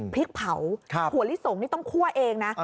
พริกเผาถั่วลิสงนี่ต้องคั่วเองนะ